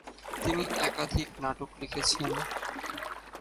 তিনি একাধিক নাটক লিখেছেন।